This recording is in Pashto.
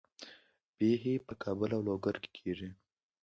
بیحي په کابل او لوګر کې کیږي.